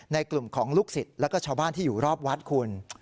ในกลุ่มของลูกศิษย์แล้วก็ชาวบ้านที่อยู่รอบวัดคุณ